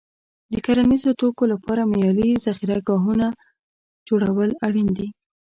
د کرنیزو توکو لپاره معیاري ذخیره ګاهونه جوړول اړین دي.